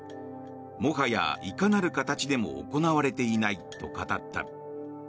もはや、いかなる形でも行われていないと語った。